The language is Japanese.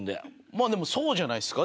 まあでもそうじゃないですか？